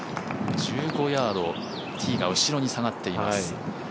１５ヤード、ティーが後ろに下がっています。